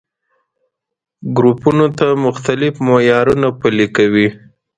ګروپونو ته مختلف معيارونه پلي کوي.